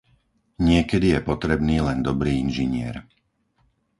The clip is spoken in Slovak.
Niekedy je potrebný len dobrý inžinier.